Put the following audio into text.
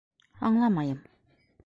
Аңламайым...